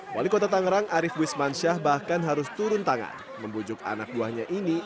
wali kota tangerang arief wismansyah bahkan harus turun tangan membujuk anak buahnya ini